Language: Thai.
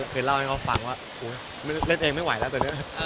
เคยเล่าให้เขาฟังว่าเล่นเองไม่ไหวแล้วตอนนี้